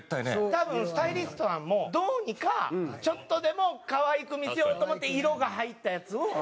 多分スタイリストさんもどうにかちょっとでも可愛く見せようと思って色が入ったやつを。